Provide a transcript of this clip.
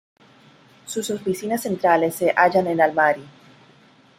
Sus oficinas centrales se hallan en Almaty.